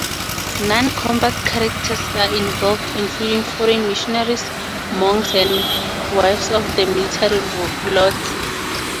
Non-combat characters are involved including foreign missionaries, monks, and wives of the military lords.